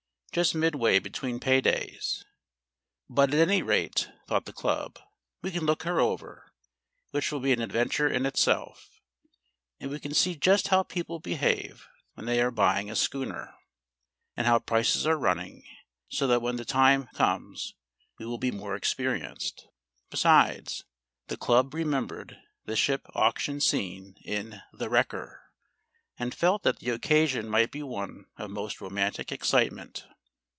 just midway between pay days. But at any rate, thought the club, we can look her over, which will be an adventure in itself; and we can see just how people behave when they are buying a schooner, and how prices are running, so that when the time comes we will be more experienced. Besides, the club remembered the ship auction scene in "The Wrecker" and felt that the occasion might be one of most romantic excitement.